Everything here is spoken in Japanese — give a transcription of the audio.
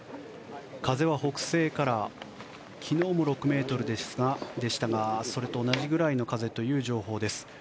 風は北西から昨日も６ｍでしたがそれと同じぐらいの風という情報です。